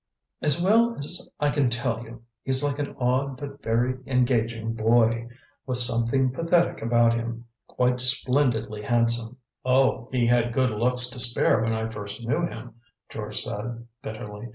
"As well as I can tell you, he's like an odd but very engaging boy, with something pathetic about him; quite splendidly handsome " "Oh, he had good looks to spare when I first knew him," George said bitterly.